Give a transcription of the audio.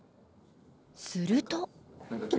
すると。